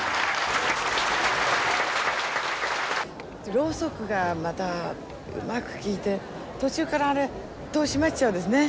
ろうそくがまたうまく効いて途中からあれ戸が閉まっちゃうんですね。